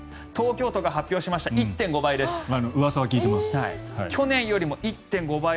東京都が発表しました１．５倍です。